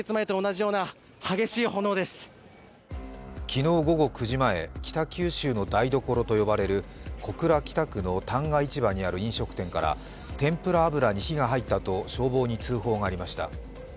昨日午後９時前、北九州市の台所と呼ばれる小倉北区の旦過市場にある飲食店からてんぷら油に火が入ったと消防に通報がありました。